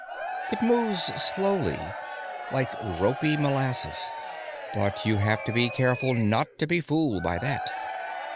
It moves slowly, like ropy molasses, but you have to be careful not to be fooled by that.